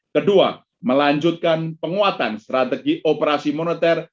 kedua melanjutkan penguatan strategi operasi moneter